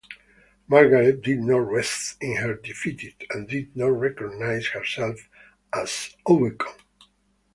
Margaret did not rest in her defeat and did not recognise herself as overcome.